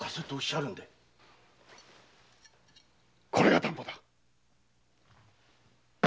これが担保だ。